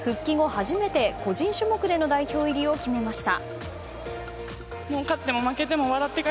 初めて、個人種目での代表入りを決めました。